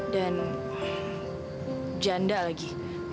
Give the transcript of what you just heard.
dan janda lagi